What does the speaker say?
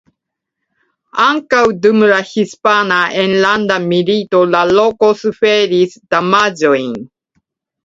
Ankaŭ dum la Hispana Enlanda Milito la loko suferis damaĝojn.